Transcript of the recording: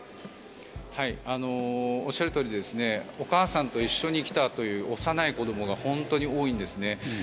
おっしゃるとおりお母さんと一緒に来たという幼い子どもが本当に多いんですね。